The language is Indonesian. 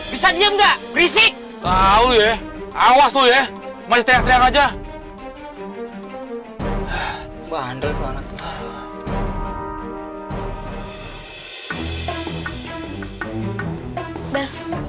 bisa diam gak bake of